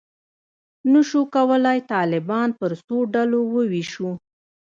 نه شو کولای طالبان پر څو ډلو وویشو.